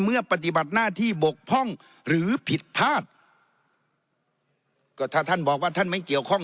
ปฏิบัติหน้าที่บกพร่องหรือผิดพลาดก็ถ้าท่านบอกว่าท่านไม่เกี่ยวข้อง